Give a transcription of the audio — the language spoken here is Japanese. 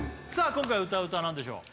今回歌う歌は何でしょう？